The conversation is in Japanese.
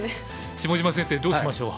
下島先生どうしましょう？